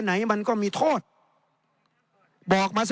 ในทางปฏิบัติมันไม่ได้